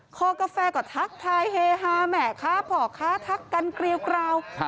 คอกาแฟก็ทักทายเฮฮาแหมะค่ะผอกค่ะทักกันเกรียวเกรา